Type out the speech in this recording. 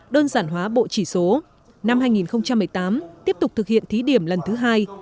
đơn giản hóa bộ chỉ số năm hai nghìn một mươi tám tiếp tục thực hiện thí điểm lần thứ hai